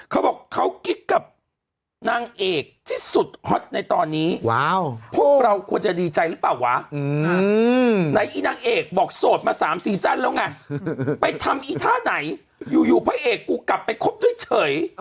เขาบอกเขากิ๊กกับนางเอกที่สุดฮอตในตอนนี้พวกเราควรจะดีใจหรือเปล่าวะไหนอีนางเอกบอกโสดมา๓ซีซั่นแล้วไงไปทำอีท่าไหนอยู่พระเอกกูกลับไปคบด้วยเฉย